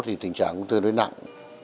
thì tình trạng cũng tương đối nặng